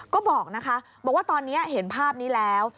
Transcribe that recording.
ก็บอกนะคะบอกว่าตอนนี้เห็นภาพนี้แล้ว